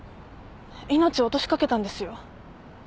命を落としかけたんですよ？